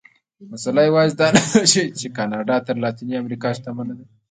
مسئله یوازې دا نه ده چې کاناډا تر لاتینې امریکا شتمن دي.